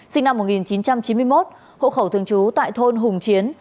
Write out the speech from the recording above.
sinh năm một nghìn chín trăm chín mươi một hộ khẩu thường trú tại thôn hùng chiến